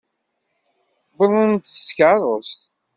Wwḍent-d s tkeṛṛust.